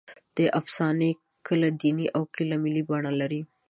دا افسانې کله دیني او کله ملي بڼه لري.